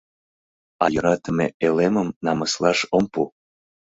— А йӧратыме элемым намыслаш ом пу.